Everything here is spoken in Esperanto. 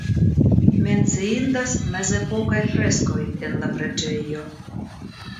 Menciindas mezepokaj freskoj en la preĝejo.